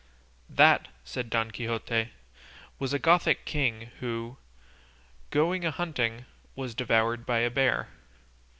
"That," said Don Quixote, "was a Gothic king, who, going a hunting, was devoured by a bear."